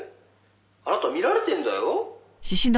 「あなたは見られてるんだよ」